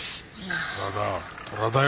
トラだよ。